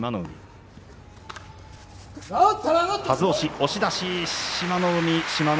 押し出し、志摩ノ